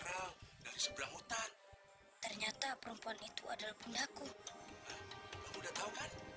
amin ya tuhan